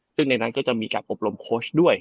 ซึ่งในนั้นก็จะมีการอบรมโค้ชด้วย